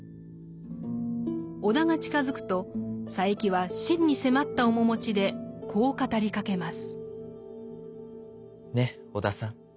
尾田が近づくと佐柄木は真に迫った面持ちでこう語りかけます。